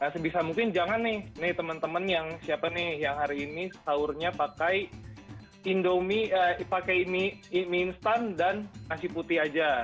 sebisa mungkin jangan nih teman teman yang siapa nih yang hari ini sahurnya pakai indomie pakai mie instan dan nasi putih aja